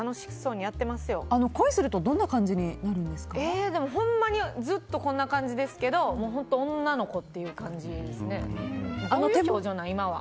恋するとほんまにずっとこんな感じですけど本当に女の子という感じですね。